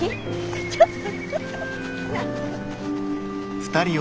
ちょっと。